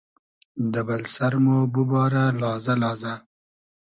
دۂ بئل سئر مۉ بوبارۂ لازۂ لازۂ